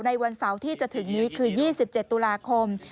วันเสาร์ที่จะถึงนี้คือ๒๗ตุลาคม